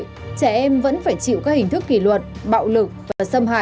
trẻ em vẫn phải chịu các hình thức kỷ luật bạo lực và xâm hại